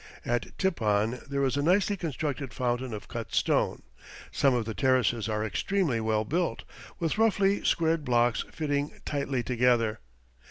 At Tipon there is a nicely constructed fountain of cut stone. Some of the terraces are extremely well built, with roughly squared blocks fitting tightly together.